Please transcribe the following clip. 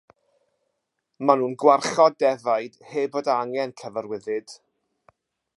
Maen nhw'n gwarchod defaid heb fod angen cyfarwyddyd.